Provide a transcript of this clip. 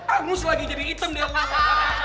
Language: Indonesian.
angus lagi jadi hitam deh lu